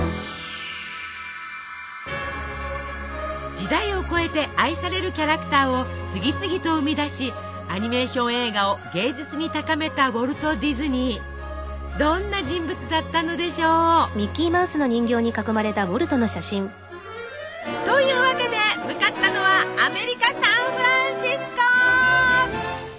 時代を超えて愛されるキャラクターを次々と生み出しアニメーション映画を芸術に高めたどんな人物だったのでしょう？というわけで向かったのはアメリカ・サンフランシスコ！